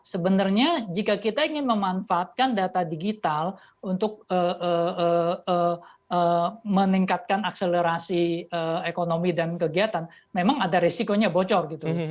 sebenarnya jika kita ingin memanfaatkan data digital untuk meningkatkan akselerasi ekonomi dan kegiatan memang ada resikonya bocor gitu